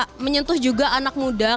karena menurut saya generasi muda saat ini